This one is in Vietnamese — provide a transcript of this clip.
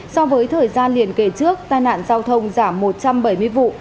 so với thời gian liền kề trước tai nạn giao thông giảm một trăm bảy mươi vụ